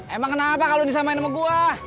emang kenapa kalau disamain sama gue